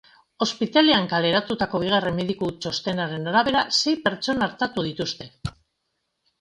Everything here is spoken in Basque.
Ospitalean kaleratutako bigarren mediku txostenaren arabera, sei pertsona artatu dituzte.